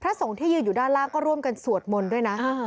พระสงฤทธิ์ยืดอยู่ด้านล่างก็ร่วมกันสวดมนทร์ด้วยนะ